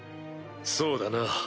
そうだな。